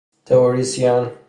تئوریسین